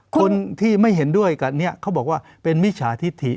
คนที่ไม่เห็นด้วยกับนี้เขาบอกว่าเป็นมิจฉาธิ